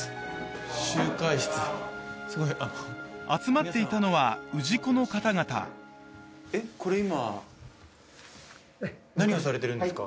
集会室すいません集まっていたのは氏子の方々えっこれ今何をされてるんですか？